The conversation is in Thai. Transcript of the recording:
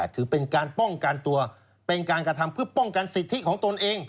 คือเป็นการป้องกันตัวเป็นการกระทำเพื่อป้องกันสิทธิของตนเอง